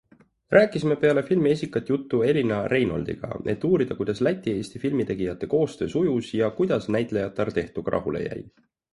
Rääkisime peale filmi esikat juttu Elina Reinoldiga, et uurida kuidas Läti-Eesti filmitegijate koostöö sujus ja kuidas näitlejatar tehtuga rahule jäi.